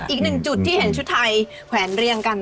อีกหนึ่งจุดที่เห็นชุดไทยแขวนเรียงกัน